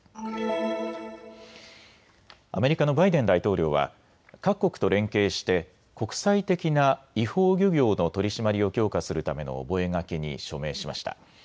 アメリカのバイデン大統領は各国と連携して国際的な違法操業の取り締まりを強化するための覚書に署名しました。